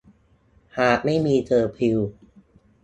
หากไม่มี เคอร์ฟิว